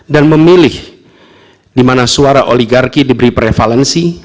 dan memilih di mana suara oligarki diberi prevalensi